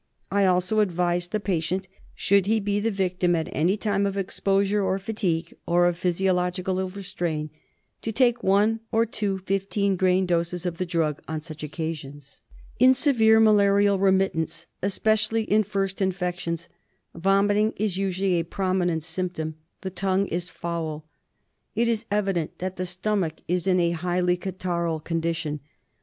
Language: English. I also advise the patient, should he be the victim at any time of exposure or fatigue, or of physiological overstrain, to take one or two fifteen grain doses of the drug on such occasions. In severe malarial remittents, especially in first infections, vomiting is usually a prominent symptom. The tongue is foul. It is evident that the stomach is in a highly catarrhal condition.